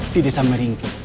di desa meringgi